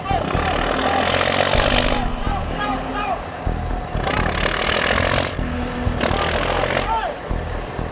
terminasi bekerja sangat lengkap tapi tidak serba terkesan